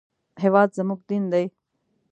هېواد زموږ دین دی